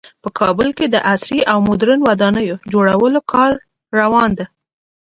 په کابل کې د عصري او مدرن ودانیو جوړولو کار روان ده